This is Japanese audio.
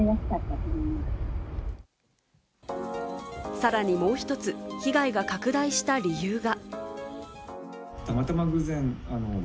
さらにもう一つ、被害が拡大した理由が。